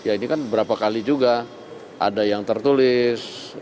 dan ya ini kan beberapa kali juga ada yang tertulis